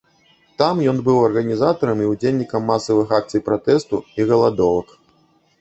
Там ён быў арганізатарам і ўдзельнікам масавых акцый пратэсту і галадовак.